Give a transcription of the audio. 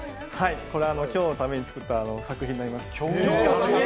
今日のために作った作品になります。